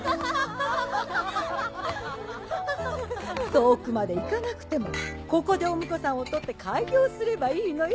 遠くまで行かなくてもここでお婿さんをとって開業すればいいのよ。